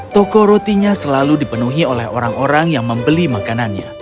tokorotinya selalu dipenuhi oleh orang orang yang membeli makanannya